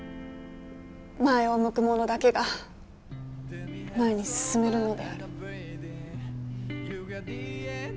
前を向く者だけが前に進めるのである。